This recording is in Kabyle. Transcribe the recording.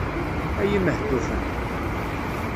Ay imehtufen!